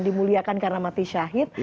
dimuliakan karena mati syahid